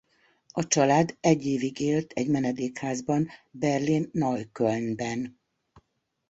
A család egy évig élt egy menedékházban Berlin-Neuköllnben.